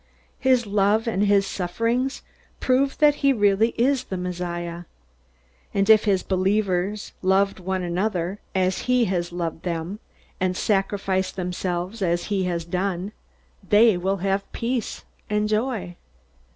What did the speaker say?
His love and his sufferings prove that he really is the Messiah. And if his believers love one another, as he has loved them, and sacrifice themselves as he has done, they will have peace and joy."